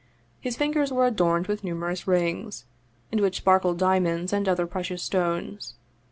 His fingers were adorned with numerous rings, in which sparkled dia monds and other precious stones.